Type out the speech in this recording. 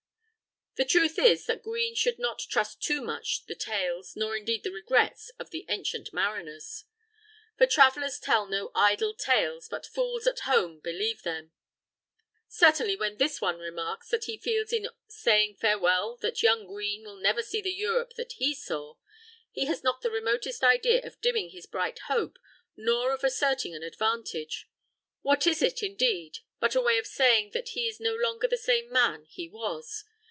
The truth is that Green should not trust too much the tales, nor indeed the regrets, of the ancient mariners. "For travellers tell no idle tales, But fools at home believe them." Certainly when this one remarks that he feels in saying farewell that young Green will never see the Europe that he saw, he has not the remotest idea of dimming his bright hope nor of asserting an advantage. What is it, indeed, but a way of saying that he is no longer the same man he was?